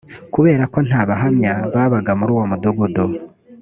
kubera ko nta bahamya babaga muri uwo mudugudu